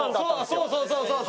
そうそうそう！